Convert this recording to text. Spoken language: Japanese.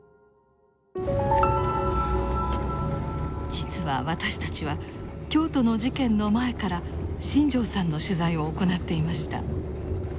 実は私たちは京都の事件の前から新城さんの取材を行っていました。